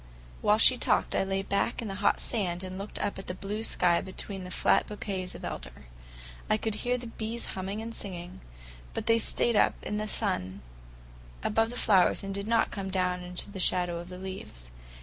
While she talked, I lay back in the hot sand and looked up at the blue sky between the flat bouquets of elder. I could hear the bees humming and singing, but they stayed up in the sun above the flowers and did not come down into the shadow of the leaves.